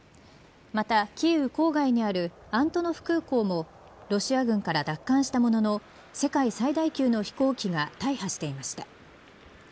また、キーウ郊外にあるアントノフ空港もロシア軍から奪還したものの世界最大級の飛行機が大破していました。